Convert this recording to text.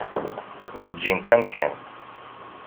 Ur ǧǧint amkan.